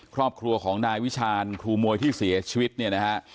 ครอบครัวของนายวิชาญครูมวยที่เสียชีวิตเนี่ยนะฮะ